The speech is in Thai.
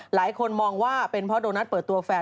หลายคนมองว่าเป็นเพราะโดนัทเปิดตัวแฟน